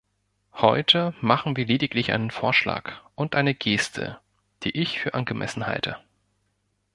Heute machen wir lediglich einen Vorschlag und eine Geste, die ich für angemessen halte.